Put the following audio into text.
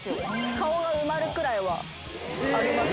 顔が埋まるくらいはあります。